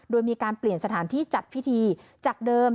โดยมีการเปลี่ยนสถานที่จัดพิธีจากเดิม